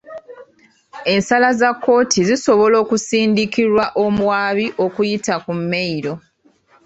Ensala za kkooti zisobola okusindikirwa omuwaabi okuyita ku mmeyiro.